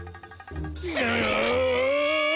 うん！